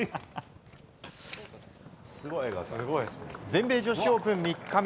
全米女子オープン３日目。